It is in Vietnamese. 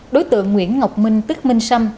đối tượng nguyễn ngọc minh tức minh xăm